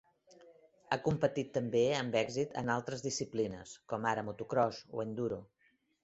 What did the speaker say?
Ha competit també amb èxit en altres disciplines, com ara motocròs o enduro.